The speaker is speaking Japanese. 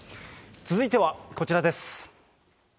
続いてはこちらです。